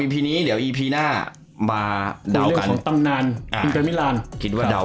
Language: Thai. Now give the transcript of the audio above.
อีพีนี้เดี๋ยวอีพีหน้ามาเดากันตั้งนานอ่าอ่าคิดว่าเดา